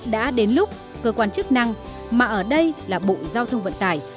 đã đến lúc cơ quan chức năng mà ở đây là bộ giao thông vận tải